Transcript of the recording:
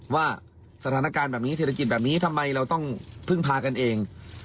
ว่าสถานการณ์แบบนี้เศรษฐกิจแบบนี้ทำไมเราต้องพึ่งพากันเอง